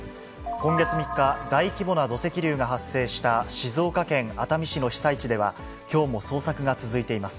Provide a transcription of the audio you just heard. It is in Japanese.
今月３日、大規模な土石流が発生した静岡県熱海市の被災地では、きょうも捜索が続いています。